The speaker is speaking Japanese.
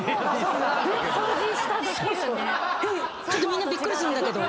ちょっとみんなびっくりするんだけど。